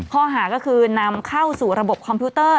ข้อหาก็คือนำเข้าสู่ระบบคอมพิวเตอร์